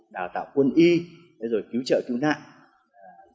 đào tạo quân y cứu trợ cứu nạn